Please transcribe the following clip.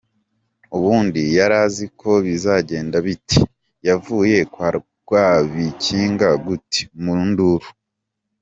Uubundi yarazi ko bizagenda bite? Yavuye kwa Rwabikinga gute? Mu nduru.